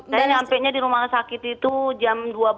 saya nyampenya di rumah sakit itu jam dua belas